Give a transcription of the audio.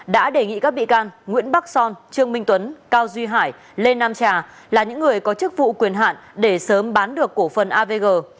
đã đề nghị các bị can nguyễn bắc son trương minh tuấn cao duy hải lê nam trà là những người có chức vụ quyền hạn để sớm bán được cổ phần avg